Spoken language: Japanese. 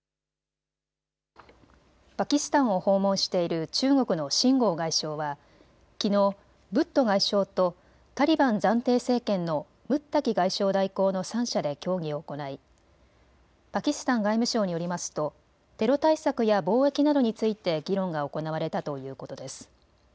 パキスタンを訪問している中国の秦剛外相はきのうブット外相とタリバン暫定政権のムッタキ外相代行の３者で協議を行いパキスタン外務省によりますとテロ対策や貿易などについて議論が行われたということです。